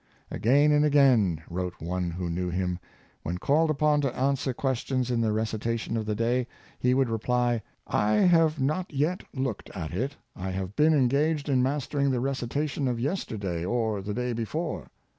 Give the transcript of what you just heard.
" Again and again," wrote one who knew him, " when called upon to answer questions in the recitation of the day, he would reply, * I have not yet looked at it ; I have been engaged in mastering the recitation of yesterday or the day before.'